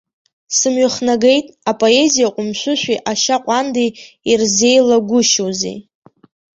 Сымҩахнагеит, апоезиа ҟәымшәышәи ашьа ҟәандеи ирзеилагәышьоузеи.